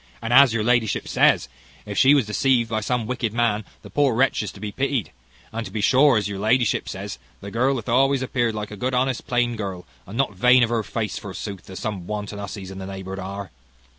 And, as your ladyship says, if she was deceived by some wicked man, the poor wretch is to be pitied. And to be sure, as your ladyship says, the girl hath always appeared like a good, honest, plain girl, and not vain of her face, forsooth, as some wanton husseys in the neighbourhood are."